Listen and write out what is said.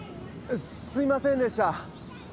すいませんでした。